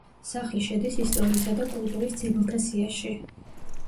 სახლი შედის ისტორიისა და კულტურის ძეგლთა სიაში.